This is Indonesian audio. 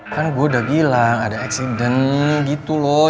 kan gue udah bilang ada accident gitu loh